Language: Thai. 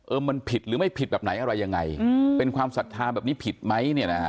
มันผิดหรือไม่ผิดแบบไหนอะไรยังไงเป็นความศรัทธาแบบนี้ผิดไหมเนี่ยนะฮะ